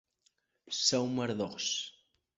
Ser un merdós.